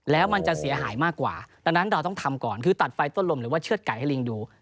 แล้วมันจะเสียหายมากกว่าดังนั้นเราต้องทำก่อนคือตัดไฟต้นลมหรือว่าเชือดไก่ให้ลิงดู